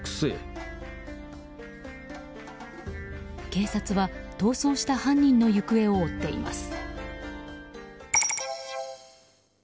警察は逃走した犯人の行方を追っています。